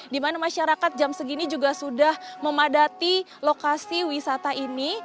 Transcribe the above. di mana masyarakat jam segini juga sudah memadati lokasi wisata ini